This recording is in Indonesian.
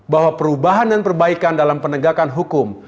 bahwa perubahan dan perbaikan dalam penegakan hukum